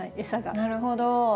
なるほど。